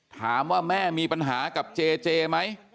ถามว่าแม่มีปัญหากับเจเจไหม